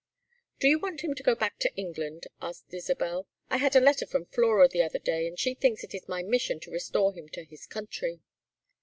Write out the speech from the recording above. "Do you want him to go back to England?" asked Isabel. "I had a letter from Flora the other day, and she thinks it is my mission to restore him to his country."